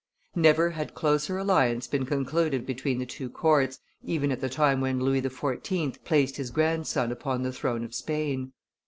Never had closer alliance been concluded between the two courts, even at the time when Louis XIV. placed his grandson upon the throne of Spain.